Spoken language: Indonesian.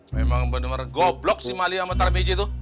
memang bener bener goblok si mali sama tarmizi itu